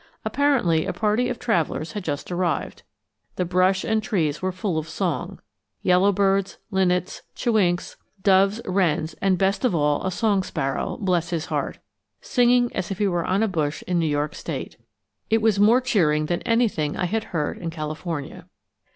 Apparently a party of travelers had just arrived. The brush and trees were full of song yellowbirds, linnets, chewinks, doves, wrens, and, best of all, a song sparrow, bless his heart! singing as if he were on a bush in New York state. It was more cheering than anything I had heard in California.